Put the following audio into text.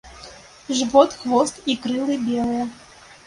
Жывот, хвост і крылы белыя.